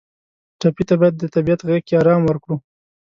ټپي ته باید د طبیعت غېږ کې آرام ورکړو.